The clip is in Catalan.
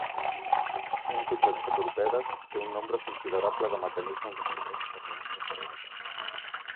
Un tub llançatorpedes té un nombre considerable de mecanismes de bloqueig per raons de seguretat.